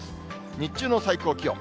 日中の最高気温。